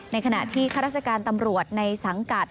ในขณะที่ข้าราชการตำรวจในสังกัด